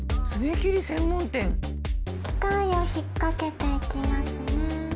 機械を引っ掛けていきますね。